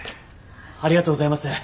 ありがとうございます！